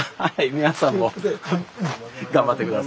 皆さんも頑張ってください。